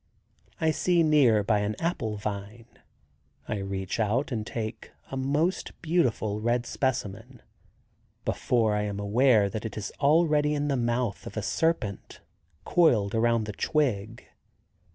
I see near by an apple vine. I reach out and take a most beautiful red specimen, before I am aware that it is already in the mouth of a serpent, coiled around the twig.